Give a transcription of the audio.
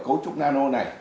về cấu trúc nano này